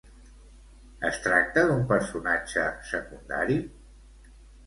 Es tracta d'un personatge secundari?